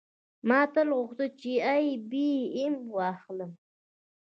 ما تل غوښتل چې آی بي ایم واخلم